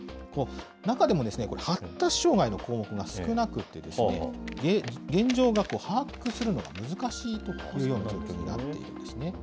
中でも、発達障害の項目が少なくてですね、現状を把握するのが難しいというような状況になっているんですね。